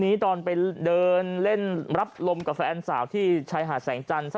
นี้ตอนไปเดินเล่นรับลมกับแฟนสาวที่ชายหาดแสงจันทร์